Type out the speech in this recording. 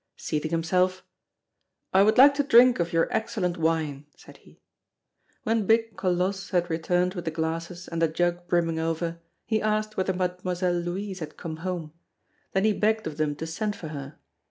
Seating himself: "I would like to drink of your excellent wine," said he. When big Colosse had returned with the glasses and the jug brimming over, he asked whether Mademoiselle Louise had come home; then he begged of them to send for her.